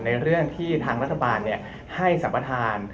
ในเรื่องที่ทางรัฐบาลให้สัมปทาน